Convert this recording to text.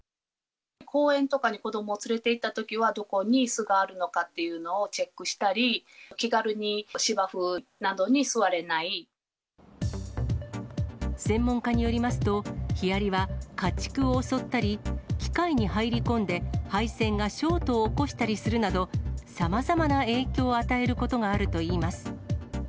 公園とかに子どもを連れていったときは、どこに巣があるのかっていうのをチェックしたり、専門家によりますと、ヒアリは家畜を襲ったり、機械に入り込んで配線がショートを起こしたりするなど、さまざまな影響を与えることがあるといいます。